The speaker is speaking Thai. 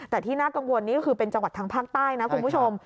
แต่ที่น่ากังวลนี่ก็คือเป็นจังหวัดทางภาคใต้นะคุณผู้ชม